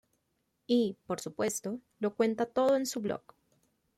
Y, por supuesto, lo cuenta todo en su blog.